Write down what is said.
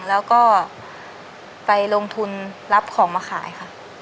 แล้วก็ไปลงทุนรับของมาขายค่ะ